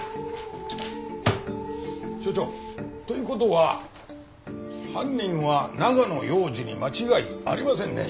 署長という事は犯人は長野庸次に間違いありませんね。